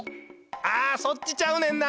あそっちちゃうねんな。